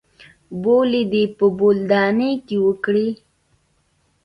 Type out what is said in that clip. بولې دې په بولدانۍ کښې وکړې.